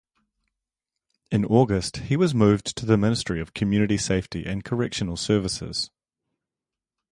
In August he was moved to the Ministry of Community Safety and Correctional Services.